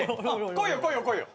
来いよ来いよ来いよ。